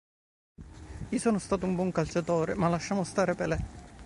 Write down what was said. Io sono stato un buon calciatore, ma lasciamo stare Pelé.